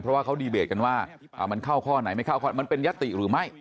เพราะว่าเขาดีเบตกันว่ามันเข้าข้อไหนไม่เข้าข้อมันเป็นยติหรือไม่